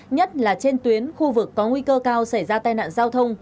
nhất là trên tuyến khu vực có nguy cơ cao xảy ra tai nạn giao thông